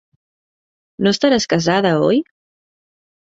No estaràs casada, oi?